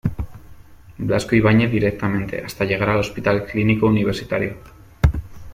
Blasco Ibañez directamente, hasta llegar al Hospital Clínico Universitario.